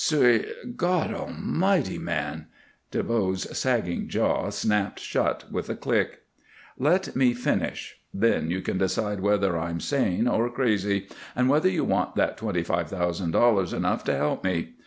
"Sui God Almighty, man!" DeVoe's sagging jaw snapped shut with a click. "Let me finish; then you can decide whether I'm sane or crazy, and whether you want that twenty five thousand dollars enough to help me.